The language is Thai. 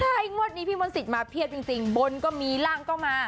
ขนาดนี้พี่มนต์สิทธิ์มาเผียบจริงบนก็มีล่างก็มา